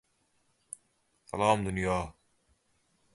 He became local chairman of the party and local council head of Frangart.